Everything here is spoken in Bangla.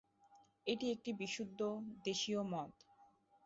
এটি একটি বিশুদ্ধ দেশীয় মদ।